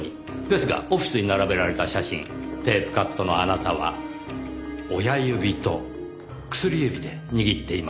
ですがオフィスに並べられた写真テープカットのあなたは親指と薬指で握っていました。